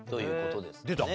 出た？